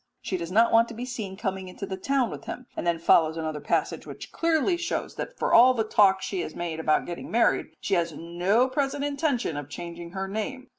She does not want to be seen coming into the town with him; and then follows another passage which clearly shows that for all the talk she has made about getting married she has no present intention of changing her name.